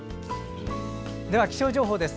では気象情報です。